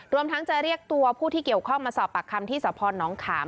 รวมทั้งจะเรียกตัวผู้ที่เกี่ยวข้องมาสอบปากคำที่สพนขาม